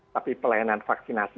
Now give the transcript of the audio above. tapi pelayanan vaksinasi